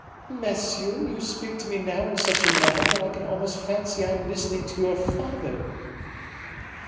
"Monsieur, you speak to me now in such a manner that I can almost fancy I am listening to your father."